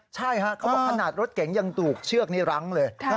ใช่ฮะเขาบอกขนาดรถเก๋งยังถูกเชือกนี้รั้งเลย